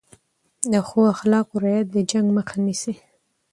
د ښو اخلاقو رعایت د جنګ مخه نیسي.